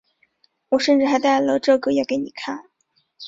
我甚至还带了这个要给你看